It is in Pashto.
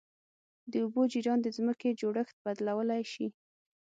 د اوبو جریان د ځمکې جوړښت بدلولی شي.